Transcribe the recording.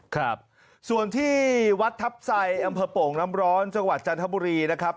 ครับส่วนที่วัดทัพไซอำเภอโป่งน้ำร้อนจังหวัดจันทบุรีนะครับ